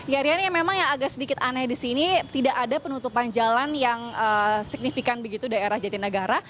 ya riani memang yang agak sedikit aneh di sini tidak ada penutupan jalan yang signifikan begitu daerah jatinegara